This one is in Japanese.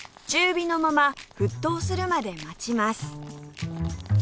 中火のまま沸騰するまで待ちます